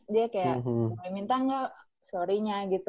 dia kayak boleh minta gak story nya gitu